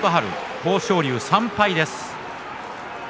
豊昇龍は３敗です。